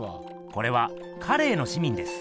これは「カレーの市民」です。